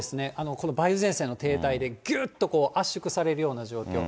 この梅雨前線の停滞でぎゅーっと圧縮されるような状況。